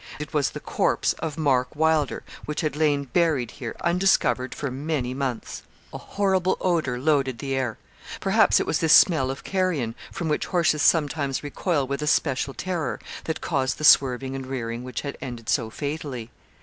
It was the corpse of Mark Wylder, which had lain buried here undiscovered for many months. A horrible odour loaded the air. Perhaps it was this smell of carrion, from which horses sometimes recoil with a special terror, that caused the swerving and rearing which had ended so fatally.